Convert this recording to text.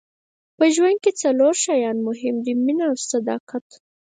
په ژوند کې څلور شیان مهم دي مینه او صداقت.